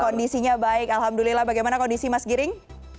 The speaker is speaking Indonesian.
kondisinya baik alhamdulillah bagaimana kondisi mas giring